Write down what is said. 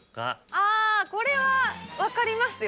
あぁこれは分かりますよ